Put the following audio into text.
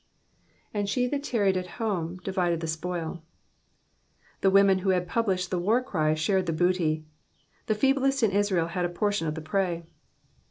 ^''And she that tarried at home divided the spoil.'''' The women who had pub lished the war cry shared the booty. The feeblest in Israel had a portion of the prey.